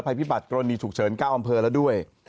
ภัยพิบัตรกรณีฉุกเฉิน๙อำเภอแล้วด้วย